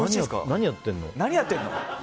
何やってんの？